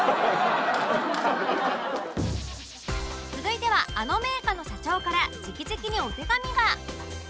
続いてはあの銘菓の社長から直々にお手紙が